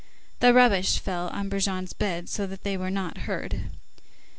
The rubbish fell on Brujon's bed, so that they were not heard.